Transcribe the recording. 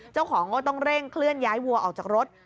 เจ้าของก็ต้องเร่งเคลื่อนย้ายวัวออกจากรถ